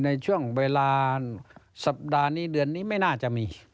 ในช่วงเวลาสัปดาห์นี้เดือนนี้ไม่น่าจะมี